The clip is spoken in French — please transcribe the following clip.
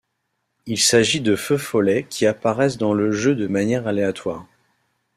Il s'agit de feux follets qui apparaissent dans le jeu de manière aléatoire.